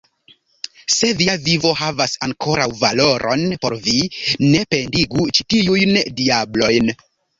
Se via vivo havas ankoraŭ valoron por vi, ne pendigu ĉi tiujn diablojn!